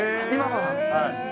今は？